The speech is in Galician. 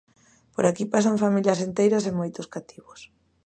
Por aquí pasan familias enteiras e moitos cativos.